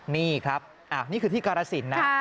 นี่ครับนี่คือที่กาลสินนะ